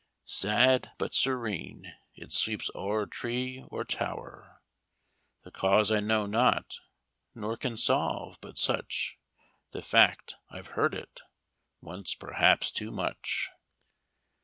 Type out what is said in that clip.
Sad, but serene, it sweeps o'er tree or tower; The cause I know not, nor can solve; but such The fact: I've heard it, once perhaps too much."